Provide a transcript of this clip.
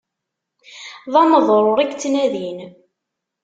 D ameḍṛuṛ i yettnadin.